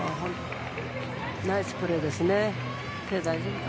ナイスプレーですね。